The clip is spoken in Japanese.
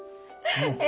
え？